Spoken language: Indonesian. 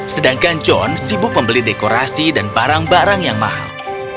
sedangkan john sibuk membeli dekorasi dan barang barang yang mahal